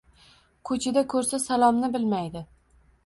Ko`chada ko`rsa salomni bilmaydi